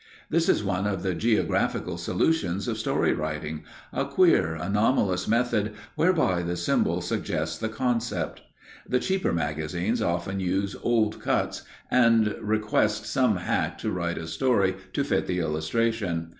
This is one of the graphical solutions of story writing, a queer, anomalous method whereby the symbol suggests the concept. The cheaper magazines often use old cuts, and request some hack to write a story to fit the illustration.